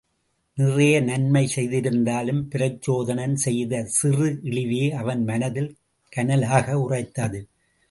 நிறைய நன்மை செய்திருந்தாலும் பிரச்சோதனன் செய்த சிறு இழிவே அவன் மனத்தில் கனலாக உறைத்தது.